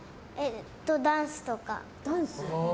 ダンスとか。